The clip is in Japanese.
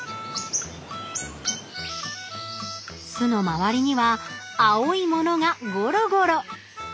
巣のまわりには青いモノがゴロゴロ。